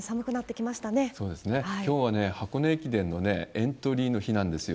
きょうは箱根駅伝のエントリーの日なんですよ。